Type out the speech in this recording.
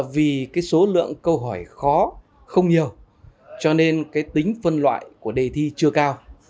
vì số lượng câu hỏi khó không nhiều cho nên tính phân loại của đề thi chưa cao